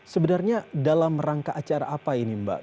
sebenarnya dalam rangka acara apa ini mbak